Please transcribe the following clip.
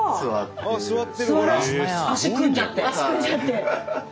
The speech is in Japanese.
座らせ足組んじゃって。